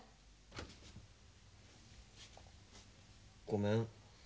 ごめん。